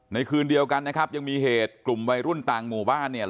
คืนเดียวกันนะครับยังมีเหตุกลุ่มวัยรุ่นต่างหมู่บ้านเนี่ย